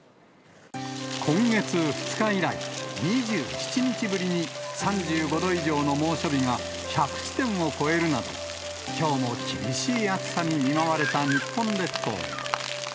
今月２日以来、２７日ぶりに３５度以上の猛暑日が１００地点を超えるなど、きょうも厳しい暑さに見舞われた日本列島。